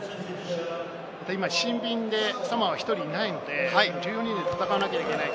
今シンビンでサモアは１人いないので、１４人で戦わなければいけない。